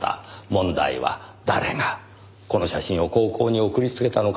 問題は誰がこの写真を高校に送りつけたのかという事です。